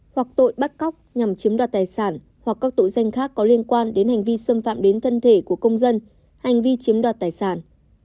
hoặc tội bắt cóc nhằm chiếm đoạt tài sản hoặc các tội danh khác có liên quan đến hành vi xâm phạm đến thân thể của công dân hành vi chiếm đoạt tài sản